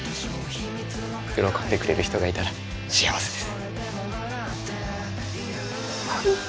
「喜んでくれる人がいたら幸せです」